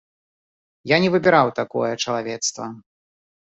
Я не выбіраў такое чалавецтва.